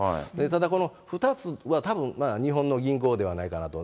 ただ、この２つはたぶん、日本の銀行ではないかなと。